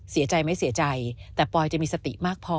เสียใจไหมเสียใจแต่ปอยจะมีสติมากพอ